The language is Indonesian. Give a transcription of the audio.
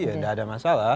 ya tidak ada masalah